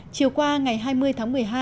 chiều qua ngày hai mươi tháng một mươi hai